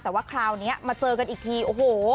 แต่ว่าคราวนี้มาเจอกันอีกทีโอ้โห